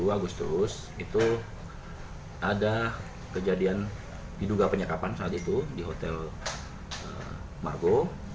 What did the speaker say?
dua puluh agustus itu ada kejadian diduga penyekapan saat itu di hotel margo